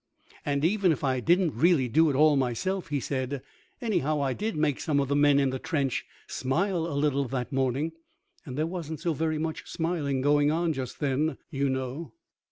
"And even if I didn't really do it all myself," he said, "anyhow I did make some of the men in the trench smile a little that morning, and there wasn't so very much smiling going on just then, you know."